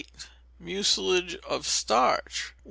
Mucilage of Starch.